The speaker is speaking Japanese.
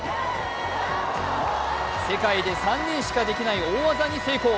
世界で３人しかできない大技に成功。